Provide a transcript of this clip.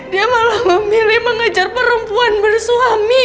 dia malah memilih mengejar perempuan bersuami